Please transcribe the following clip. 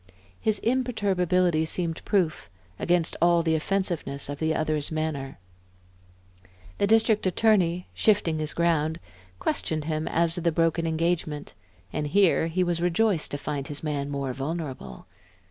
His imperturbability seemed proof, against all the offensiveness of the other's manner. The District Attorney, shifting his ground, questioned him as to the broken engagement; and here he was rejoiced to find his man more vulnerable.